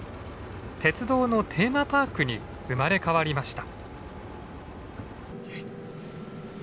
鉄道のテーマパークに生まれ変わりました。